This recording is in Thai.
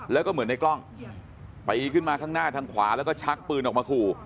แล้วก็เหมือนในกล้องปีขึ้นมาข้างหน้าทางขวาแล้วก็ชักปืนออกมาขู่